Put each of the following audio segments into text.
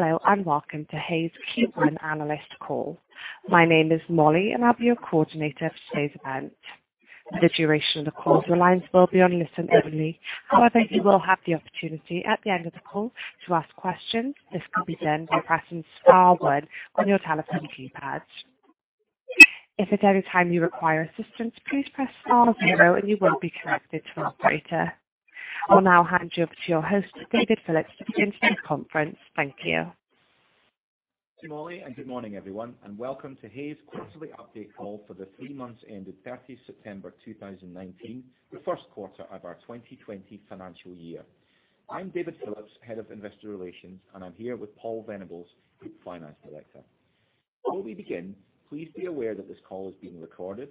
Hello, welcome to Hays Q1 Analyst Call. My name is Molly and I'll be your coordinator for today's event. For the duration of the call, the lines will be on listen only. However, you will have the opportunity at the end of the call to ask questions. This can be done by pressing star one on your telephone keypad. If at any time you require assistance, please press star zero and you will be connected to an operator. I'll now hand you over to your host, David Phillips, to begin today's conference. Thank you. Thanks, Molly. Good morning, everyone. Welcome to Hays Quarterly Update Call for the three months ending 30 September 2019, the first quarter of our 2020 financial year. I'm David Phillips, Head of Investor Relations. I'm here with Paul Venables, Group Finance Director. Before we begin, please be aware that this call is being recorded,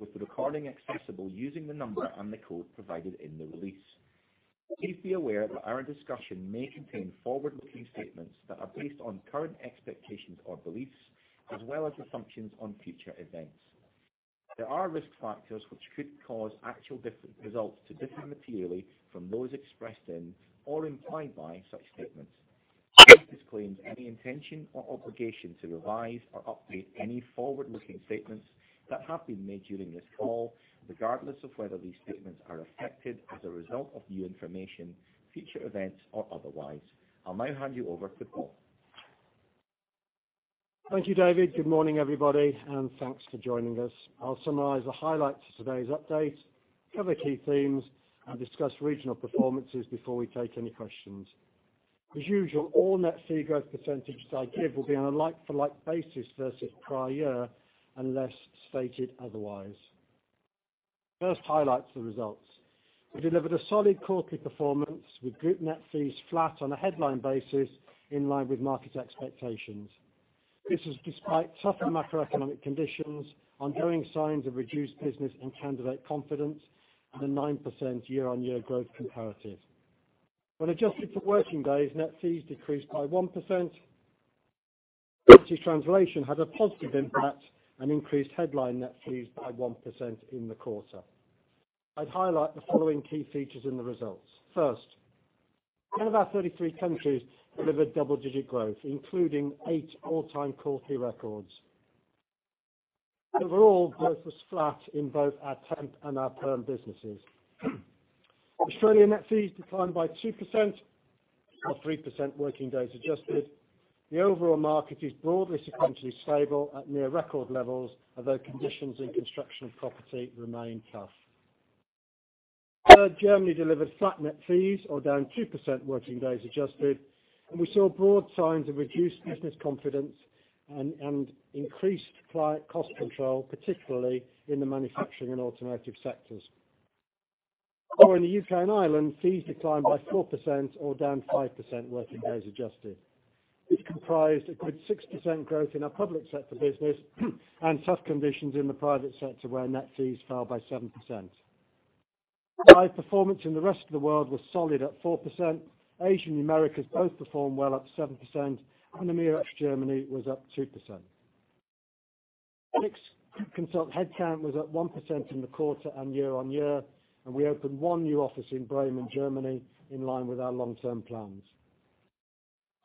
with the recording accessible using the number and the code provided in the release. Please be aware that our discussion may contain forward-looking statements that are based on current expectations or beliefs, as well as assumptions on future events. There are risk factors which could cause actual different results to differ materially from those expressed in or implied by such statements. Hays disclaims any intention or obligation to revise or update any forward-looking statements that have been made during this call, regardless of whether these statements are affected as a result of new information, future events, or otherwise. I'll now hand you over to Paul. Thank you, David. Good morning, everybody, and thanks for joining us. I will summarize the highlights of today's update, cover key themes, and discuss regional performances before we take any questions. As usual, all net fee growth percentages I give will be on a like-for-like basis versus prior year, unless stated otherwise. First, highlights of the results. We delivered a solid quarterly performance with group net fees flat on a headline basis, in line with market expectations. This is despite tougher macroeconomic conditions, ongoing signs of reduced business and candidate confidence, and a 9% year-on-year growth comparative. When adjusted for working days, net fees decreased by 1%. Currency translation had a positive impact and increased headline net fees by 1% in the quarter. I will highlight the following key features in the results. First, 10 of our 33 countries delivered double-digit growth, including eight all-time quarterly records. Overall growth was flat in both our temp and our perm businesses. Australian net fees declined by 2%, or 3% working days adjusted. The overall market is broadly sequentially stable at near record levels, although conditions in construction and property remain tough. Third, Germany delivered flat net fees or down 2% working days adjusted, and we saw broad signs of reduced business confidence and increased client cost control, particularly in the manufacturing and automotive sectors. Four, in the U.K. and Ireland, fees declined by 4% or down 5% working days adjusted, which comprised a good 6% growth in our public sector business and tough conditions in the private sector where net fees fell by 7%. Five, performance in the rest of the world was solid at 4%. Asia and Americas both performed well at 7%, and EMEA ex-Germany was up 2%. Six, consultant headcount was up 1% in the quarter and year-on-year, and we opened one new office in Bremen, Germany, in line with our long-term plans.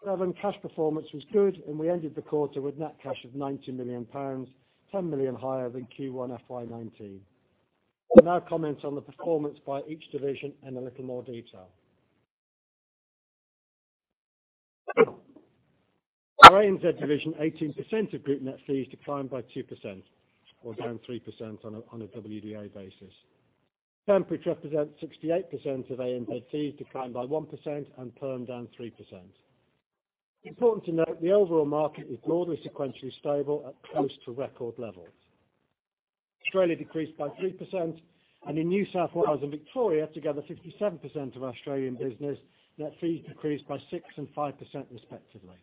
Seven, cash performance was good, and we ended the quarter with net cash of 90 million pounds, 10 million higher than Q1 FY 2019. I'll now comment on the performance by each division in a little more detail. Our ANZ division, 18% of group net fees declined by 2%, or down 3% on a WDA basis. Temp, which represents 68% of ANZ fees, declined by 1%, and perm down 3%. Important to note, the overall market is broadly sequentially stable at close to record levels. Australia decreased by 3%, and in New South Wales and Victoria, together 57% of Australian business net fees decreased by 6% and 5% respectively.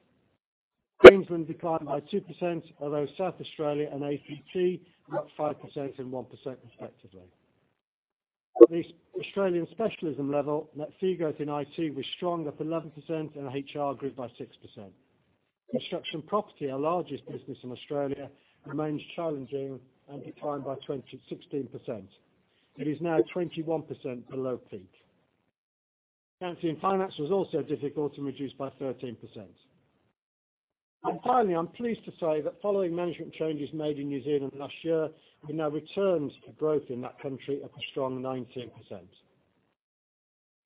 Queensland declined by 2%, although South Australia and ACT were up 5% and 1% respectively. At the Australian specialism level, net fee growth in IT was strong, up 11%, and HR grew by 6%. Construction and Property, our largest business in Australia, remains challenging and declined by 16%. It is now 21% below peak. Banking and Finance was also difficult and reduced by 13%. Finally, I'm pleased to say that following management changes made in New Zealand last year, we now return to growth in that country at a strong 19%.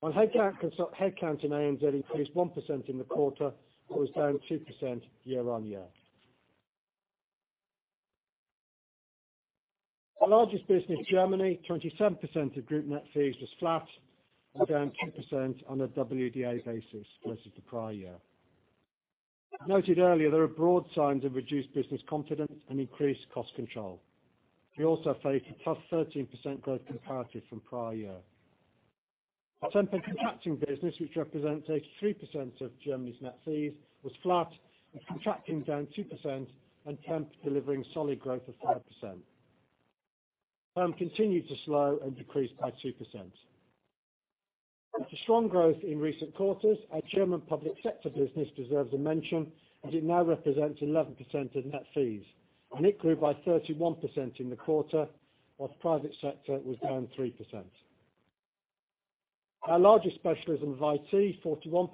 On headcount consult, headcount in ANZ increased 1% in the quarter but was down 2% year-over-year. Our largest business, Germany, 27% of group net fees, was flat and down 2% on a WDA basis versus the prior year. As noted earlier, there are broad signs of reduced business confidence and increased cost control. We also face a +13% growth comparative from prior year. Our temp and contracting business, which represents 83% of Germany's net fees, was flat, with contracting down 2% and temp delivering solid growth of 5%. Perm continued to slow and decreased by 2%. After strong growth in recent quarters, our German public sector business deserves a mention, as it now represents 11% of net fees, and it grew by 31% in the quarter, whilst private sector was down 3%. Our largest specialism of IT, 41% of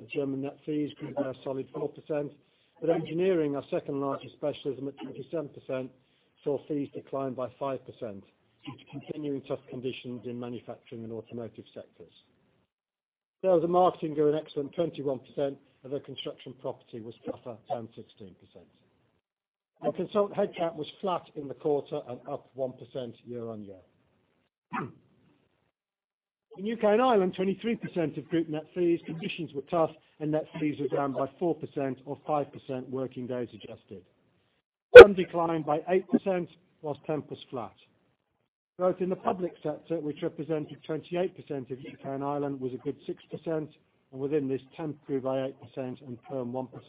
the German net fees grew by a solid 4%. Engineering, our second-largest specialism at 27%, saw fees decline by 5%, due to continuing tough conditions in manufacturing and automotive sectors. Sales and marketing grew an excellent 21%, although construction and property was tougher, down 16%. Our consultant headcount was flat in the quarter and up 1% year-on-year. In U.K. and Ireland, 23% of group net fees, conditions were tough and net fees were down by 4% or 5% working days adjusted. Perm declined by 8% while temp was flat. Growth in the public sector, which represented 28% of U.K. and Ireland, was a good 6%. Within this, temp grew by 8% and perm 1%.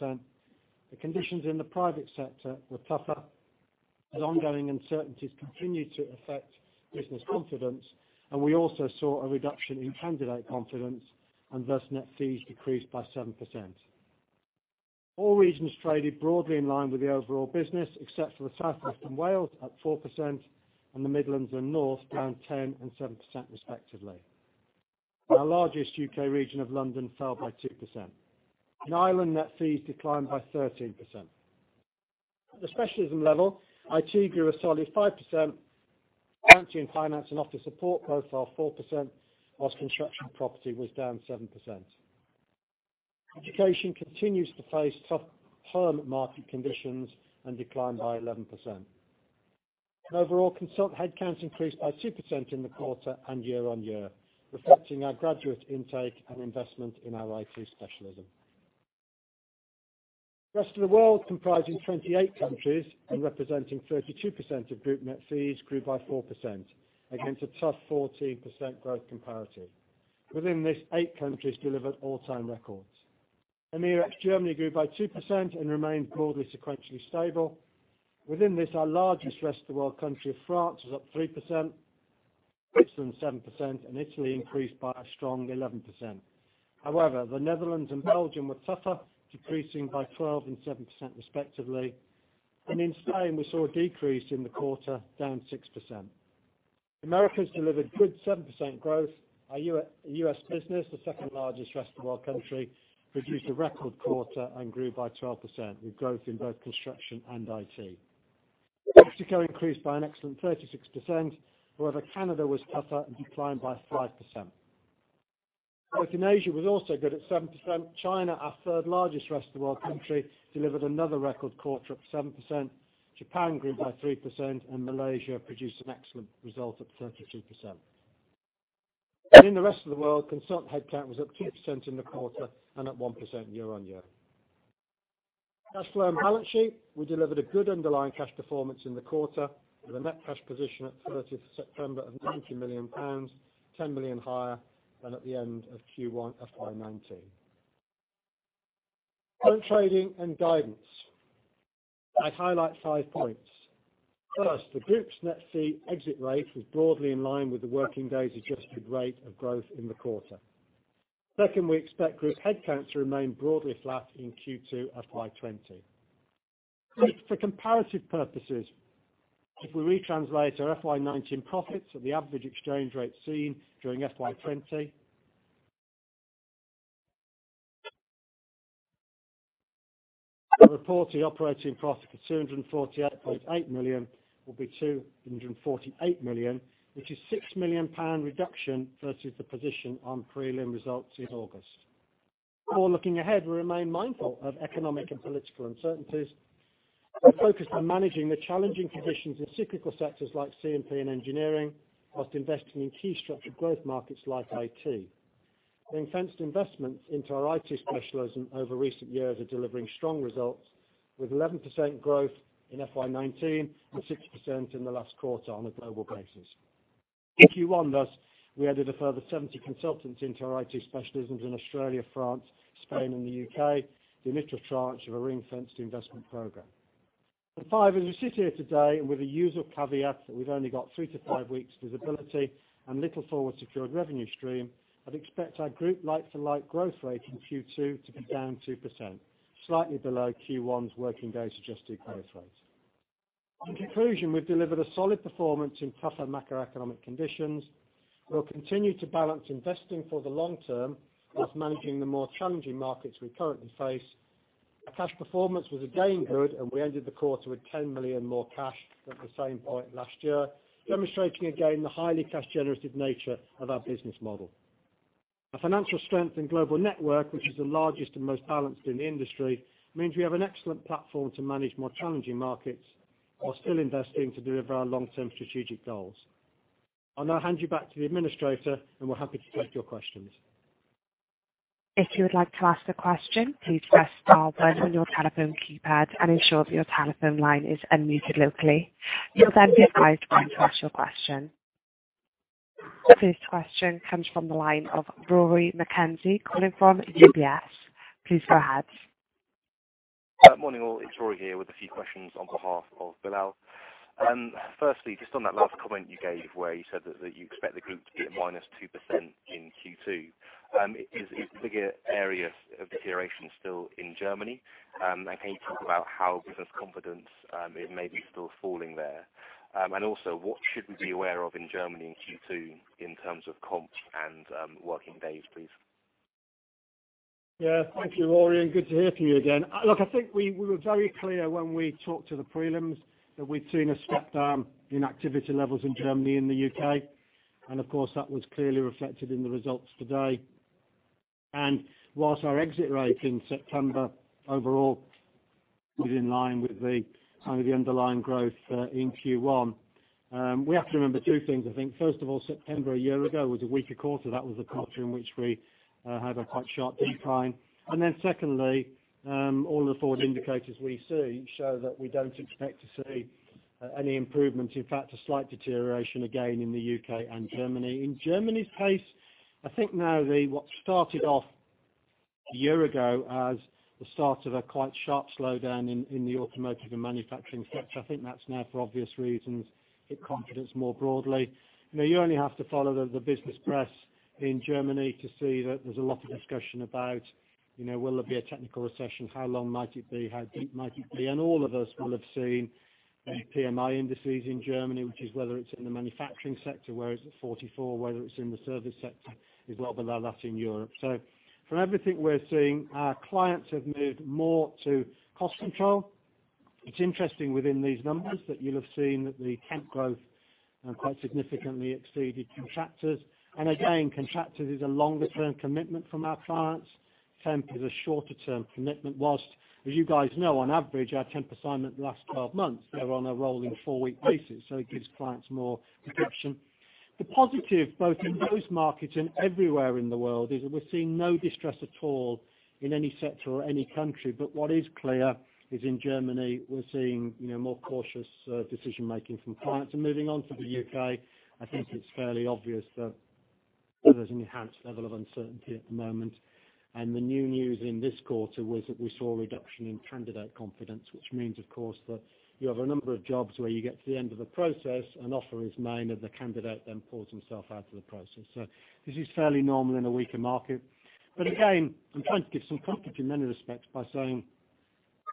The conditions in the private sector were tougher as ongoing uncertainties continued to affect business confidence, we also saw a reduction in candidate confidence and thus net fees decreased by 7%. All regions traded broadly in line with the overall business, except for the South West and Wales, up 4%, and the Midlands and North, down 10% and 7% respectively. Our largest U.K. region of London fell by 2%. In Ireland, net fees declined by 13%. At the specialism level, IT grew a solid 5%, accounting, finance, and office support both saw 4%, while construction and property was down 7%. Education continues to face tough term market conditions and declined by 11%. Overall, consultant headcount increased by 2% in the quarter and year-on-year, reflecting our graduate intake and investment in our IT specialism. Rest of the world, comprising 28 countries and representing 32% of group net fees, grew by 4% against a tough 14% growth comparative. Within this, eight countries delivered all-time records. EMEA, ex Germany grew by 2% and remained broadly sequentially stable. Within this, our largest rest of the world country of France was up 3%, Switzerland 7%, and Italy increased by a strong 11%. The Netherlands and Belgium were tougher, decreasing by 12% and 7% respectively. In Spain, we saw a decrease in the quarter, down 6%. Americas delivered good 7% growth. Our U.S. business, the second-largest rest of the world country, produced a record quarter and grew by 12%, with growth in both construction and IT. Mexico increased by an excellent 36%. However, Canada was tougher and declined by 5%. Growth in Asia was also good at 7%. China, our third-largest rest of the world country, delivered another record quarter, up 7%. Japan grew by 3% and Malaysia produced an excellent result up 32%. In the rest of the world, consultant headcount was up 2% in the quarter and up 1% year-on-year. Cash flow and balance sheet. We delivered a good underlying cash performance in the quarter with a net cash position at 30th September of 90 million pounds, 10 million higher than at the end of Q1 FY 2019. Current trading and guidance. I'd highlight five points. First, the group's net fee exit rate was broadly in line with the working days adjusted rate of growth in the quarter. Second, we expect group headcount to remain broadly flat in Q2 FY 2020. Three, for comparative purposes, if we retranslate our FY 2019 profits at the average exchange rate seen during FY 2020, the reported operating profit of 248.8 million will be 248 million, which is a 6 million pound reduction versus the position on prelim results in August. Four, looking ahead, we remain mindful of economic and political uncertainties and focused on managing the challenging conditions in cyclical sectors like CMP and engineering, while investing in key structured growth markets like IT. The ring-fenced investment into our IT specialism over recent years are delivering strong results with 11% growth in FY 2019 and 6% in the last quarter on a global basis. In Q1 thus, we added a further 70 consultants into our IT specialisms in Australia, France, Spain, and the U.K., the initial tranche of a ring-fenced investment program. As we sit here today, and with the usual caveat that we've only got three to five weeks visibility and little forward secured revenue stream, I'd expect our group like-for-like growth rate in Q2 to be down 2%, slightly below Q1's working days adjusted growth rates. In conclusion, we've delivered a solid performance in tougher macroeconomic conditions. We'll continue to balance investing for the long term whilst managing the more challenging markets we currently face. Our cash performance was again good. We ended the quarter with 10 million more cash at the same point last year, demonstrating again the highly cash-generative nature of our business model. Our financial strength and global network, which is the largest and most balanced in the industry, means we have an excellent platform to manage more challenging markets while still investing to deliver our long-term strategic goals. I'll now hand you back to the administrator, and we're happy to take your questions. If you would like to ask a question, please press star one on your telephone keypad and ensure that your telephone line is unmuted locally. You will then be advised when to ask your question. The first question comes from the line of Rory McKenzie calling from UBS. Please go ahead. Morning all. It's Rory here with a few questions on behalf of Bilal. Just on that last comment you gave where you said that you expect the group to be at minus 2% in Q2. Is the bigger area of deterioration still in Germany? Can you talk about how business confidence may be still falling there? What should we be aware of in Germany in Q2 in terms of comps and working days, please? Yeah. Thank you, Rory, and good to hear from you again. Look, I think we were very clear when we talked to the prelims that we'd seen a step down in activity levels in Germany and the U.K., and of course, that was clearly reflected in the results today. Whilst our exit rate in September overall was in line with the underlying growth in Q1, we have to remember two things, I think. First of all, September a year ago was a weaker quarter. That was the quarter in which we had a quite sharp decline. Then secondly, all the forward indicators we see show that we don't expect to see any improvement. In fact, a slight deterioration again in the U.K. and Germany. In Germany's case, I think now what started off a year ago as the start of a quite sharp slowdown in the automotive and manufacturing sector, I think that's now for obvious reasons, hit confidence more broadly. You only have to follow the business press in Germany to see that there's a lot of discussion about will there be a technical recession? How long might it be? How deep might it be? All of us will have seen the PMI indices in Germany, which is whether it's in the manufacturing sector, where it's at 44, whether it's in the service sector, is well below that in Europe. For everything we're seeing, our clients have moved more to cost control. It's interesting within these numbers that you'll have seen that the temp growth quite significantly exceeded contractors. Again, contractors is a longer-term commitment from our clients. Temp is a shorter-term commitment, whilst as you guys know, on average, our temp assignment last 12 months. They're on a rolling four-week basis. It gives clients more protection. The positive, both in those markets and everywhere in the world, is that we're seeing no distress at all in any sector or any country. What is clear is in Germany, we're seeing more cautious decision making from clients. Moving on to the U.K., I think it's fairly obvious that there's an enhanced level of uncertainty at the moment. The new news in this quarter was that we saw a reduction in candidate confidence, which means, of course, that you have a number of jobs where you get to the end of the process, an offer is made, and the candidate then pulls himself out of the process. This is fairly normal in a weaker market. Again, I'm trying to give some comfort in many respects by saying,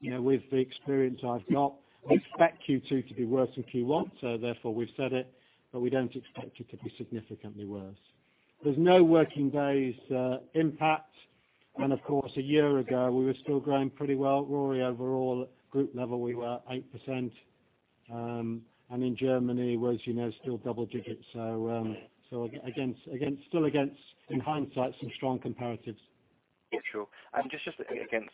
with the experience I've got, we expect Q2 to be worse than Q1. Therefore, we've said it, but we don't expect it to be significantly worse. There's no working days impact. Of course, a year ago, we were still growing pretty well. Rory, overall at group level, we were 8%, and in Germany was still double digits. Still against, in hindsight, some strong comparatives. Yeah, sure. Just against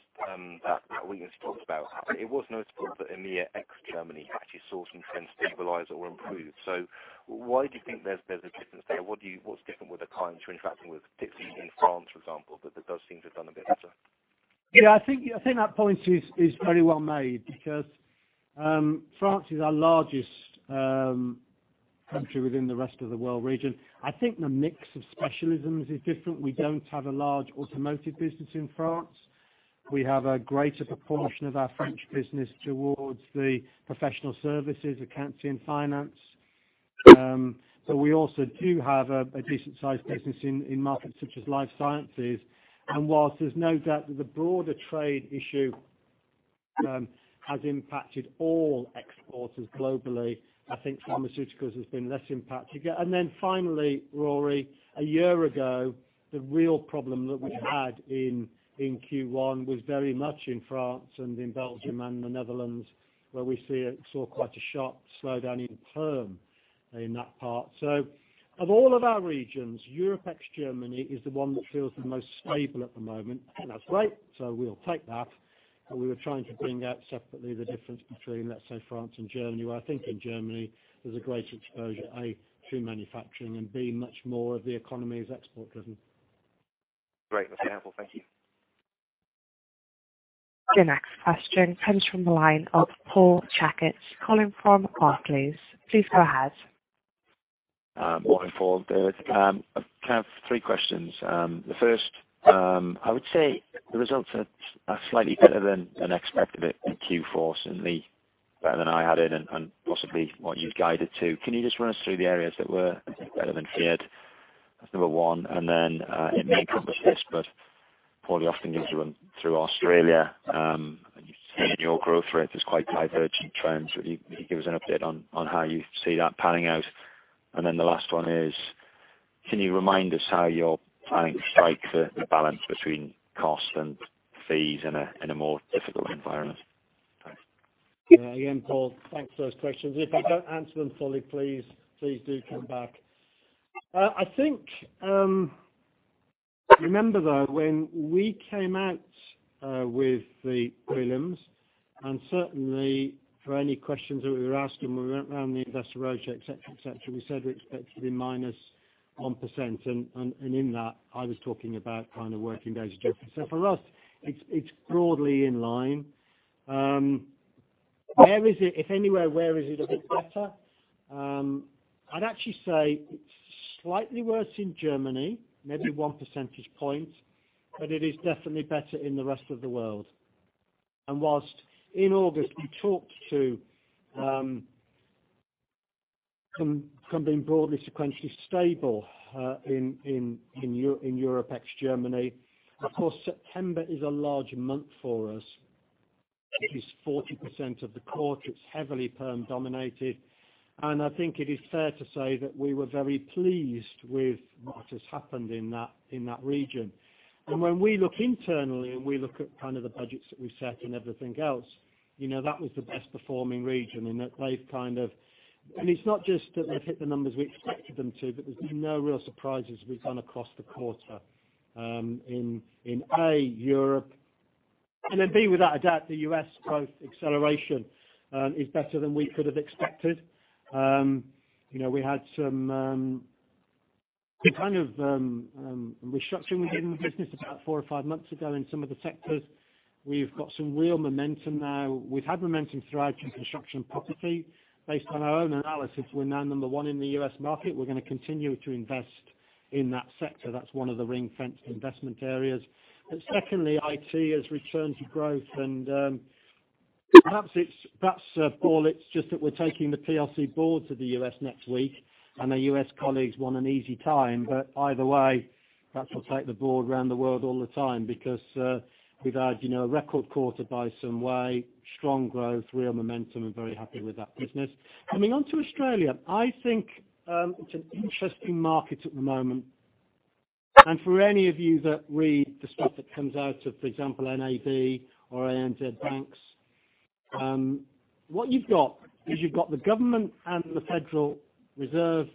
that weakness you talked about, it was noticeable that EMEA ex Germany actually saw some trends stabilize or improve. Why do you think there's a difference there? What's different with the clients you're interacting with, particularly in France, for example, that those things have done a bit better? Yeah, I think that point is very well made because France is our largest country within the rest of the world region. I think the mix of specialisms is different. We don't have a large automotive business in France. We have a greater proportion of our French business towards the professional services, accounts and finance. We also do have a decent-sized business in markets such as life sciences. Whilst there's no doubt that the broader trade issue has impacted all exporters globally, I think pharmaceuticals has been less impacted. Finally, Rory, a year ago, the real problem that we had in Q1 was very much in France and in Belgium and the Netherlands, where we saw quite a sharp slowdown in perm in that part. Of all of our regions, Europe ex Germany is the one that feels the most stable at the moment. That's great, so we'll take that. We were trying to bring out separately the difference between, let's say, France and Germany, where I think in Germany there's a greater exposure, A, through manufacturing and, B, much more of the economy is export driven. Great. That's helpful. Thank you. Your next question comes from the line of Paul Checketts, calling from Barclays. Please go ahead. Morning, Paul. I have three questions. The first, I would say the results are slightly better than expected in Q4, certainly better than I had it and possibly what you've guided to. Can you just run us through the areas that were better than feared? That's number one. Then it may cover this, but Paul, you often give us a run through Australia. You've seen your growth rate is quite divergent trends. Can you give us an update on how you see that panning out? Then the last one is, can you remind us how you're planning to strike the balance between cost and fees in a more difficult environment? Thanks. Yeah. Again, Paul, thanks for those questions. If I don't answer them fully, please do come back. I think, remember though, when we came out with the prelims, certainly for any questions that we were asked when we went around the investor roadshow, et cetera, we said we expect to be -1%. In that, I was talking about kind of working days difference. For us, it's broadly in line. If anywhere, where is it a bit better? I'd actually say it's slightly worse in Germany, maybe one percentage point, it is definitely better in the rest of the world. Whilst in August we talked toFrom being broadly sequentially stable in Europe, ex-Germany. Of course, September is a large month for us. It is 40% of the quarter. It's heavily perm dominated. I think it is fair to say that we were very pleased with what has happened in that region. When we look internally and we look at kind of the budgets that we've set and everything else, that was the best performing region in that they've. It's not just that they've hit the numbers we expected them to, but there's been no real surprises as we've gone across the quarter, in, A, Europe, and then, B, without a doubt, the U.S. growth acceleration is better than we could have expected. We had some kind of restructuring we did in the business about four or five months ago in some of the sectors. We've got some real momentum now. We've had momentum throughout in Construction & Property. Based on our own analysis, we're now number one in the U.S. market. We're going to continue to invest in that sector. That's one of the ring-fenced investment areas. Secondly, IT has returned to growth. Perhaps it's just that we're taking the PLC board to the U.S. next week, and our U.S. colleagues want an easy time. Either way, perhaps we'll take the board around the world all the time because we've had a record quarter by some way, strong growth, real momentum. I'm very happy with that business. Coming on to Australia, I think it's an interesting market at the moment. For any of you that read the stuff that comes out of, for example, NAB or ANZ, what you've got is you've got the government and the Reserve Bank of Australia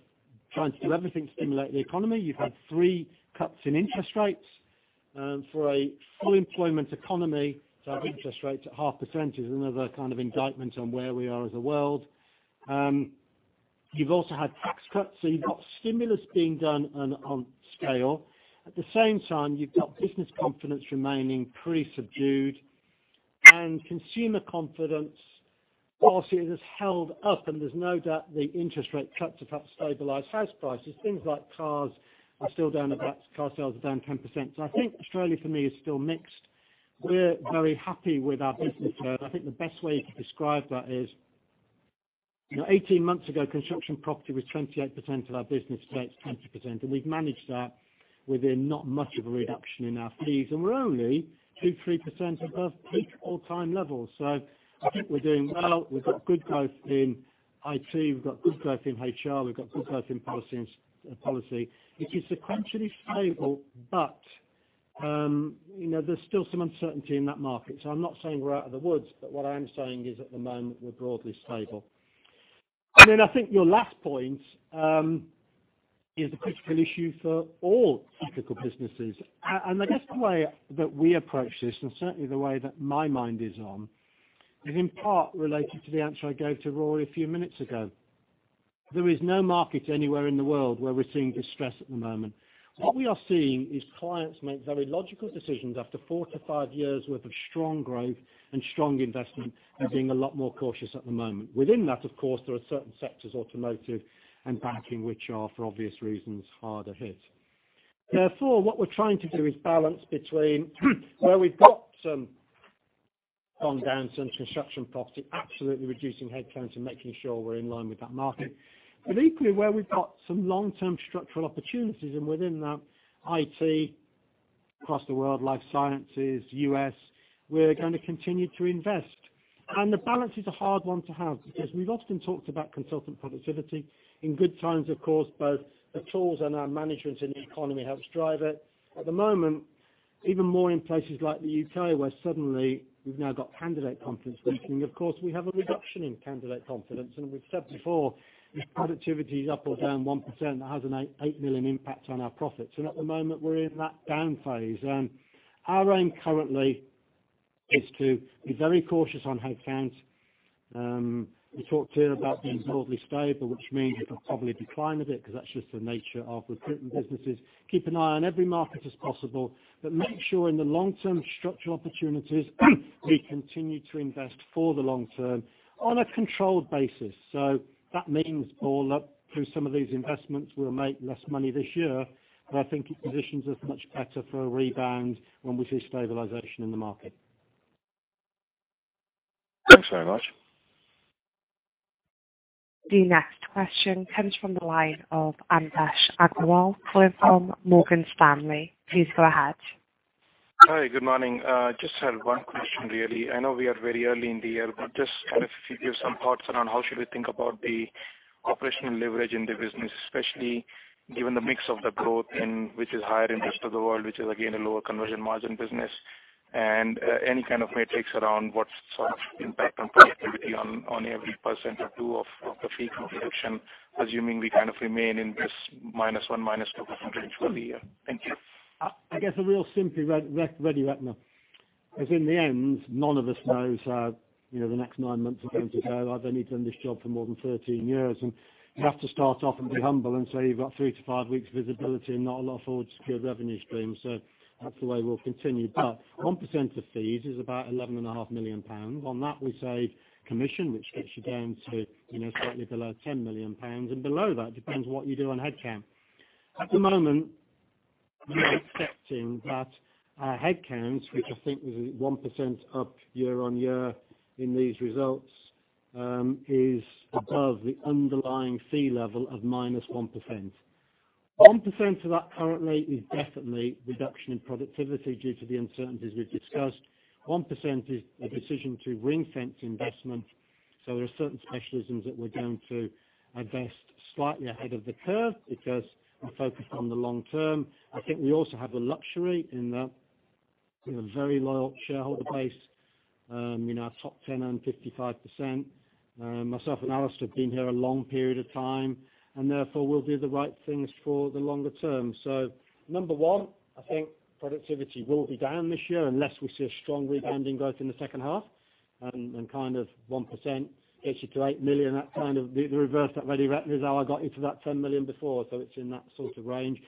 trying to do everything to stimulate the economy. You've had three cuts in interest rates. For a full employment economy, to have interest rates at 0.5% is another kind of indictment on where we are as a world. You've also had tax cuts, so you've got stimulus being done on scale. At the same time, you've got business confidence remaining pretty subdued, and consumer confidence policy has held up, and there's no doubt the interest rate cuts have helped stabilize house prices. Things like cars are still down. Car sales are down 10%. I think Australia for me is still mixed. We're very happy with our business there. I think the best way to describe that is 18 months ago, Construction & Property was 28% of our business. Today it's 20%, and we've managed that within not much of a reduction in our fees. We're only 2%, 3% above peak all-time levels. I think we're doing well. We've got good growth in IT. We've got good growth in HR. We've got good growth in policy. It is sequentially stable, but there's still some uncertainty in that market. I'm not saying we're out of the woods, but what I am saying is at the moment, we're broadly stable. I think your last point is a critical issue for all cyclical businesses. I guess the way that we approach this, and certainly the way that my mind is on, is in part related to the answer I gave to Rory a few minutes ago. There is no market anywhere in the world where we're seeing distress at the moment. What we are seeing is clients make very logical decisions after four to five years’ worth of strong growth and strong investment and being a lot more cautious at the moment. Within that, of course, there are certain sectors, automotive and banking, which are, for obvious reasons, harder hit. What we're trying to do is balance between where we've got some calm down, some Construction & Property, absolutely reducing headcounts and making sure we're in line with that market. Equally, where we've got some long-term structural opportunities, and within that, IT across the world, life sciences, U.S., we're going to continue to invest. The balance is a hard one to have because we've often talked about consultant productivity. In good times, of course, both the tools and our management in the economy helps drive it. At the moment, even more in places like the U.K., where suddenly we've now got candidate confidence lifting. Of course, we have a reduction in candidate confidence, and we've said before, if productivity is up or down 1%, that has a 8 million impact on our profits. At the moment, we're in that down phase. Our aim currently is to be very cautious on headcount. We talked here about being broadly stable, which means it'll probably decline a bit because that's just the nature of recruitment businesses. Keep an eye on every market as possible, but make sure in the long term structural opportunities, we continue to invest for the long term on a controlled basis. That means, Paul, that through some of these investments, we'll make less money this year, but I think it positions us much better for a rebound when we see stabilization in the market. Thanks very much. The next question comes from the line of Anvesh Agrawal from Morgan Stanley. Please go ahead. Hi, good morning. Just had one question, really. I know we are very early in the year, but just kind of if you give some thoughts around how should we think about the operational leverage in the business, especially given the mix of the growth and which is higher interest of the world, which is again, a lower conversion margin business, and any kind of metrics around what sort of impact on productivity on every % or two of the fee reduction, assuming we kind of remain in this minus 1%, minus 2% range for the year. Thank you. I guess a real simply ready reckoner. In the end, none of us knows the next nine months are going to go. I've only done this job for more than 13 years, and you have to start off and be humble and say you've got three to five weeks visibility and not a lot of forward-secured revenue stream. That's the way we'll continue. 1% of fees is about 11.5 million pounds. On that, we save commission, which gets you down to slightly below 10 million pounds, and below that depends what you do on headcount. At the moment, we are expecting that our headcounts, which I think was 1% up year-on-year in these results, is above the underlying fee level of -1%. 1% of that currently is definitely reduction in productivity due to the uncertainties we've discussed. 1% is a decision to ring-fenced investment. There are certain specialisms that we're going to invest slightly ahead of the curve because we focus on the long term. I think we also have the luxury in a very loyal shareholder base, our top 10 own 55%. Myself and Alistair have been here a long period of time, and therefore will do the right things for the longer term. Number one, I think productivity will be down this year unless we see a strong rebound in growth in the second half, and kind of 1% gets you to 8 million, the reverse of that ready reckoner is how I got you to that 10 million before, so it's in that sort of range.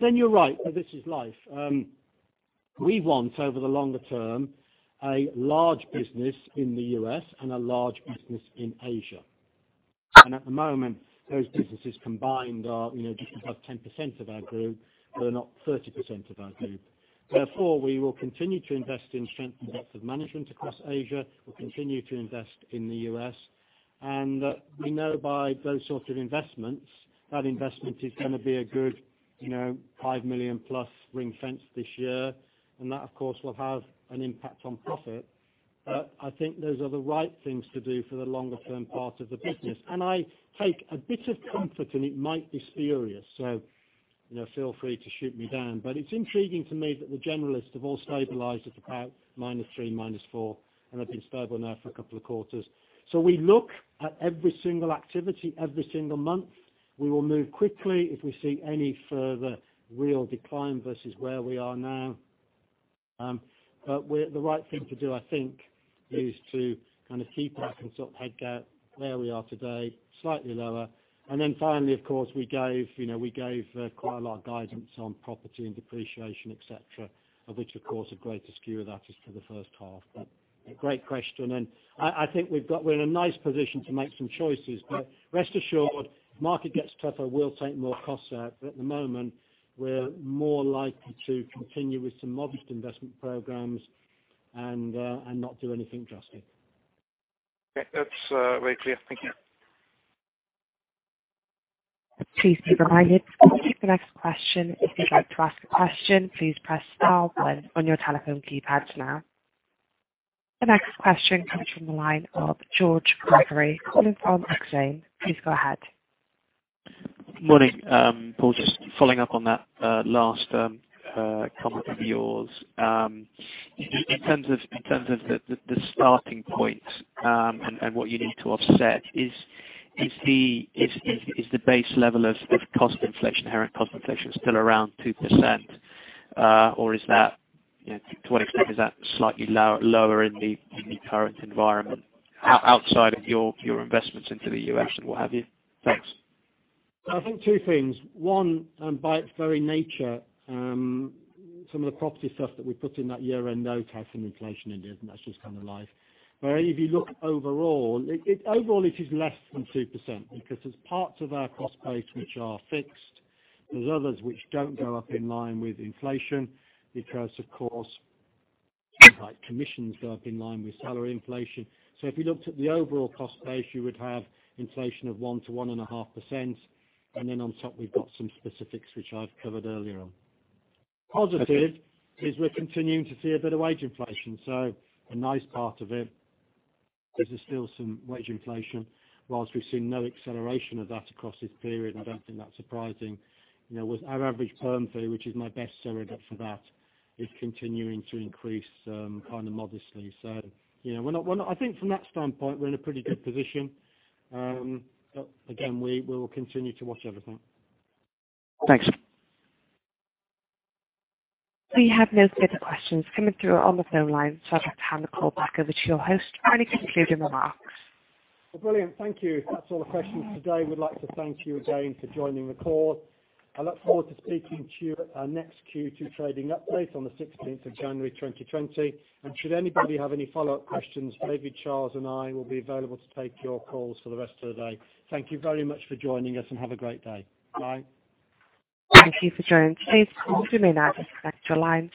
Then you're right, this is life. We want, over the longer term, a large business in the U.S. and a large business in Asia. At the moment, those businesses combined are just above 10% of our group. They're not 30% of our group. Therefore, we will continue to invest in strength and depth of management across Asia. We will continue to invest in the U.S. We know by those sorts of investments, that investment is going to be a good 5 million plus ring-fence this year, and that, of course, will have an impact on profit. I think those are the right things to do for the longer term part of the business. I take a bit of comfort, and it might be spurious, so feel free to shoot me down, but it's intriguing to me that the generalists have all stabilized at about -3%, -4%, and have been stable now for a couple of quarters. We look at every single activity every single month. We will move quickly if we see any further real decline versus where we are now. The right thing to do, I think, is to kind of keep that head count where we are today, slightly lower. Finally, of course, we gave quite a lot of guidance on property and depreciation, et cetera, of which, of course, a greater skew of that is for the first half. Great question. I think we're in a nice position to make some choices, but rest assured, market gets tougher, we'll take more costs out. At the moment, we're more likely to continue with some modest investment programs and not do anything drastic. Okay. That's very clear. Thank you. Please be reminded, for the next question. If you'd like to ask a question, please press star one on your telephone keypad now. The next question comes from the line of George Poverary calling from Exane. Please go ahead. Morning. Paul, just following up on that last comment of yours. In terms of the starting point and what you need to offset, is the base level of cost inflation, inherent cost inflation still around 2%? To what extent is that slightly lower in the current environment outside of your investments into the U.S. and what have you? Thanks. I think two things. One, by its very nature, some of the property stuff that we put in that year-end note has some inflation in it, and that's just kind of life. If you look overall, it is less than 2% because there's parts of our cost base which are fixed. There's others which don't go up in line with inflation because, of course, things like commissions go up in line with salary inflation. If you looked at the overall cost base, you would have inflation of 1% to 1.5%, and then on top, we've got some specifics which I've covered earlier on. Positive is we're continuing to see a bit of wage inflation, so a nice part of it is there's still some wage inflation. Whilst we've seen no acceleration of that across this period, I don't think that's surprising. With our average term fee, which is my best surrogate for that, is continuing to increase kind of modestly. I think from that standpoint, we're in a pretty good position. Again, we will continue to watch everything. Thanks. We have no further questions coming through on the phone line, so I'd like to hand the call back over to your host for any concluding remarks. Brilliant. Thank you. If that's all the questions today, we'd like to thank you again for joining the call. I look forward to speaking to you at our next Q2 trading update on the 16th of January 2020. Should anybody have any follow-up questions, maybe Charles and I will be available to take your calls for the rest of the day. Thank you very much for joining us, and have a great day. Bye. Thank you for joining. Please, you may now disconnect your lines.